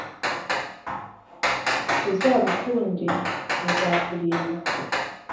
uzabukunde, buzakurinda